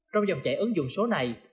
trong dòng chạy ấn dụng số này